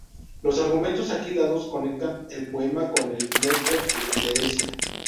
Los argumentos aquí dados, conectan el poema con el mester de clerecía.